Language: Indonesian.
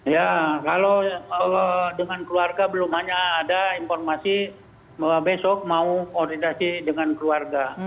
ya kalau dengan keluarga belum hanya ada informasi bahwa besok mau koordinasi dengan keluarga